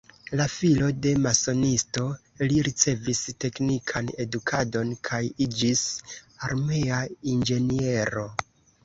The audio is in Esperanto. La filo de masonisto, li ricevis teknikan edukadon kaj iĝis armea inĝeniero.